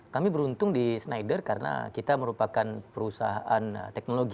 kami beruntung di schneider karena kita merupakan perusahaan teknologi